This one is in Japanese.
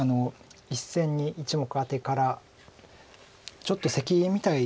１線に１目アテからちょっとセキみたい。